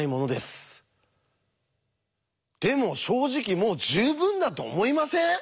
でも正直もう十分だと思いません？